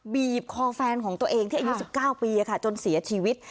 บีบคอแฟนของตัวเองที่อายุสิบเก้าปีอะค่ะจนเสียชีวิต